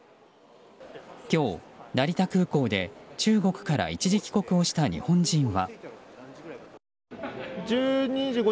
今日、成田空港で中国から一時帰国をした日本人は。